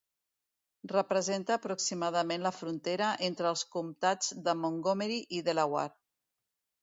Representa aproximadament la frontera entre els comtats de Montgomery i Delaware.